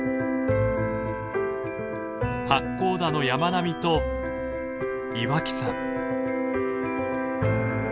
八甲田の山並みと岩木山。